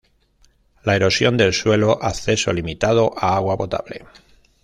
La erosión del suelo; acceso limitado a agua potable